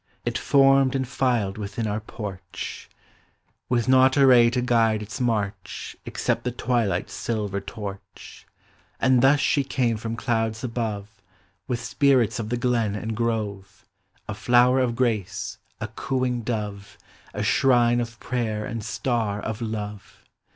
It formed and tiled within our porch, ALIO I T CHILDREN. With not a ray to guide its inarch Kxccpt the tw ilight's silver torch: Anil thus she came from clouds above, W i th spirits of the glen and grove, A llower of grace, a cooing dove, A shrine of prayer and star of love!